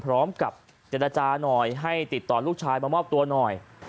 พร้อมกับเจรจาหน่อยให้ติดต่อลูกชายมามอบตัวหน่อย